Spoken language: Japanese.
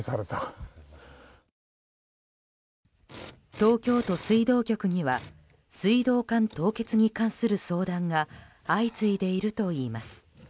東京都水道局には水道管凍結に関する相談が相次いでいるといいます。